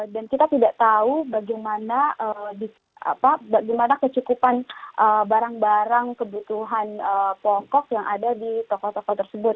kita tidak tahu bagaimana kecukupan barang barang kebutuhan pokok yang ada di toko toko tersebut